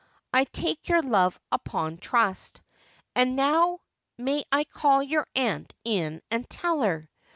I'll take your love upon trust. And now may I call your aunt in and tell her?